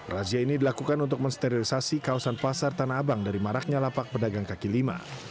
razia ini dilakukan untuk mensterilisasi kawasan pasar tanah abang dari maraknya lapak pedagang kaki lima